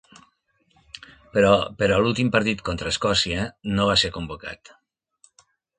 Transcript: Però per a l'últim partit, contra Escòcia, no va ser convocat.